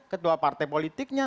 ketua partai politiknya